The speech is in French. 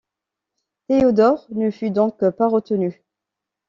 Théodore ne fut donc pas retenu.